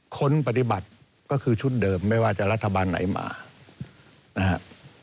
คนปฏิบัติก็คือชุดเดิมไม่ว่าจะรัฐบาลไหนมานะครับ